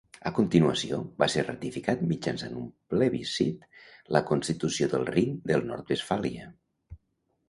A continuació, va ser ratificat mitjançant un plebiscit la Constitució del Rin del Nord-Westfàlia.